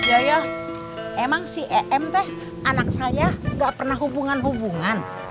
yaya emang si emt anak saya gak pernah hubungan hubungan